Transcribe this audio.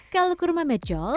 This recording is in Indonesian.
kalau kurma mejol